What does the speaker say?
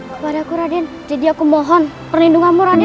kepada aku raden jadi aku mohon perlindunganmu raden